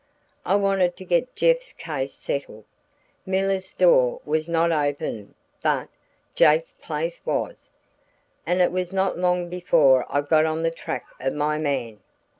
I wanted to get Jeff's case settled. 'Miller's store' was not open but 'Jake's place' was, and it was not long before I got on the track of my man.